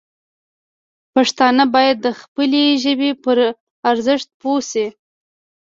پښتانه باید د خپلې ژبې پر ارزښت پوه شي.